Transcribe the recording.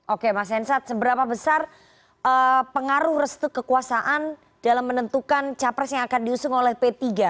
oke mas hensat seberapa besar pengaruh restu kekuasaan dalam menentukan capres yang akan diusung oleh p tiga